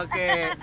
oh dua jam serapan